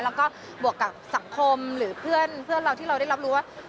แล้วก็บวกกับสังคมหรือเพื่อนเราที่เราได้รับรู้ว่า